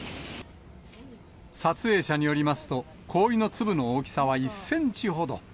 撮影者によりますと、氷の粒の大きさは１センチほど。